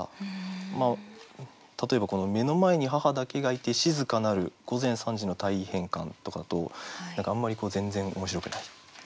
例えば「目の前に母だけがゐて静かなる午前三時の体位変換」とかだとあんまり全然面白くない。